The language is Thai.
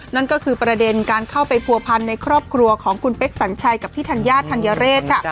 นั่นก็คือประเด็นการเข้าไปผัวพันในครอบครัวของคุณเป๊กสัญชัยกับพี่ธัญญาธัญเรศค่ะ